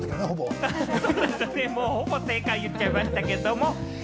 ほぼ正解言っちゃいましたけれどもね。